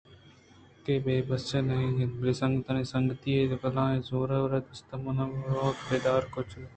کہ اے بس تئیگ اِنت! بلے سنگتے ءَ سنگتی دادے بلکیں؟ زور آور ءَ دست مان نہ رئوت دربان کُچک ءُ کُروس